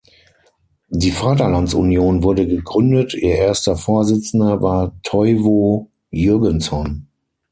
Die Vaterlandsunion wurde gegründet, ihr erster Vorsitzender war Toivo Jürgenson.